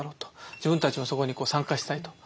自分たちもそこに参加したいと。